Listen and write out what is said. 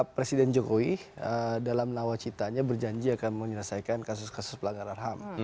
presiden jokowi dalam nawacitanya berjanji akan menyelesaikan kasus kasus pelanggaran ham